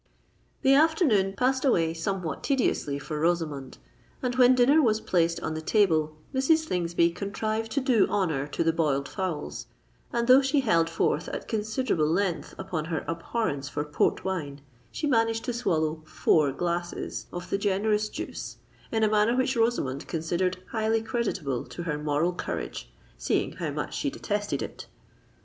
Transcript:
The afternoon passed away somewhat tediously for Rosamond; and when dinner was placed on the table, Mrs. Slingsby contrived to do honour to the boiled fowls; and though she held forth at considerable length upon her abhorrence for Port wine, she managed to swallow four glasses of the generous juice in a manner which Rosamond considered highly creditable to her moral courage, seeing how much she detested it.